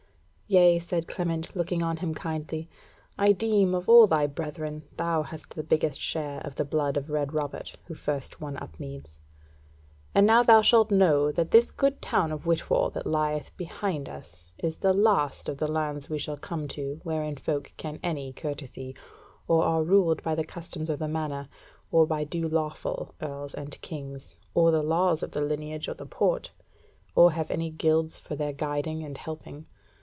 "Yea," said Clement, looking on him kindly, "I deem of all thy brethren thou hast the biggest share of the blood of Red Robert, who first won Upmeads. And now thou shalt know that this good town of Whitwall that lieth behind us is the last of the lands we shall come to wherein folk can any courtesy, or are ruled by the customs of the manor, or by due lawful Earls and Kings, or the laws of the Lineage or the Port, or have any Guilds for their guiding, and helping.